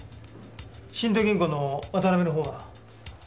新都銀行の渡辺の方は？